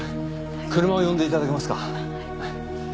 はい車を呼んで頂けますか？